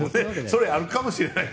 それはあるかもしれない。